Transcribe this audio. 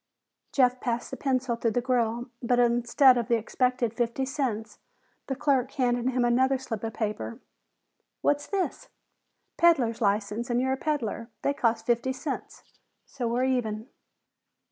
Jeff passed the pencil through the grill, but instead of the expected fifty cents, the clerk handed him another slip of paper. "What's this?" "Peddler's license and you're a peddler. They cost fifty cents, so we're even."